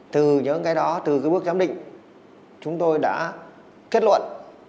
từ những cái đó từ cái bước giám định chúng tôi đã kết luận